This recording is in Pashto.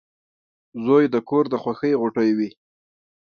• زوی د کور د خوښۍ غوټۍ وي.